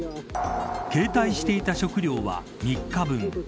携帯していた食料は３日分。